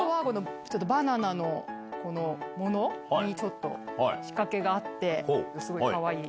バナナのものにちょっと仕掛けがあってすごいかわいい。